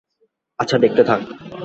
আচ্ছা, দেখতে থাক।